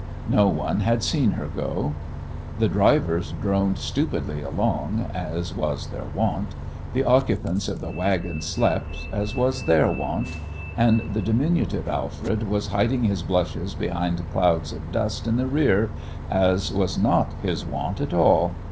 No one had seen her go. The drivers droned stupidly along, as was their wont; the occupants of the wagons slept, as was their wont; and the diminutive Alfred was hiding his blushes behind clouds of dust in the rear, as was not his wont at all.